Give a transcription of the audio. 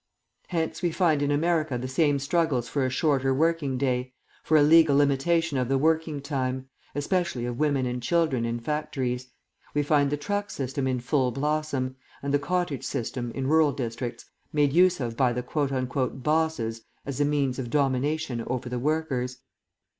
Hence we find in America the same struggles for a shorter working day, for a legal limitation of the working time, especially of women and children in factories; we find the truck system in full blossom, and the cottage system, in rural districts, made use of by the "bosses" as a means of domination over the workers.